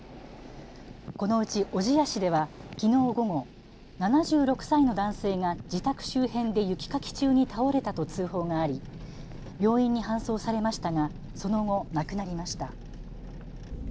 このうち小千谷市ではきのう午後、７６歳の男性が自宅周辺で雪かき中に倒れたと通報があり病院に搬送されましたがその後、亡くなりました。